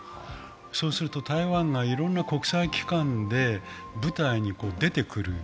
そうすると、台湾がいろんな国際機関で舞台に出てくる。